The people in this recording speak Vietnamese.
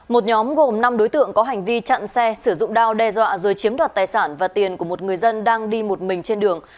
một nhóm gồm năm đối tượng có hành vi chặn xe sử dụng đao đe dọa rồi chiếm đoạt tài sản và tiền của một người dân đang đi một mình trên đường